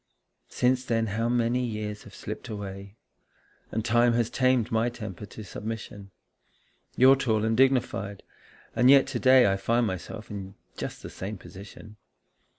Since then how many years have slipped away ? And time has tamed my temper to submission. You're tall and dignified, and yet to day I find myself in just the same position.